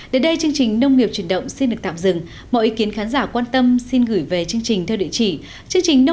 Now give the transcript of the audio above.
đến đây chương trình nông nghiệp truyền động xin được tạm dừng mọi ý kiến khán giả quan tâm xin gửi về chương trình theo địa chỉ